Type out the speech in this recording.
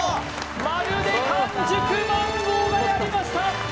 まるで完熟マンゴーがやりました！